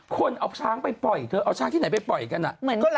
ก็ลายซุปเปอร์มาร์เก็ตตั่วไปเยอะแยะ